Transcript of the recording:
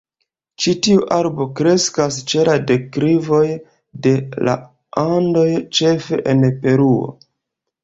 Ĉi tiu arbo kreskas ĉe la deklivoj de la Andoj, ĉefe en Peruo.